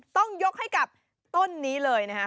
ต้องยกให้กับต้นนี้เลยนะคะ